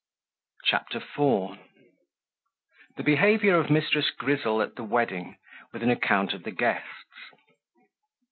CHAPTER IV. The Behaviour of Mrs. Grizzle at the Wedding, with an Account of the Guests.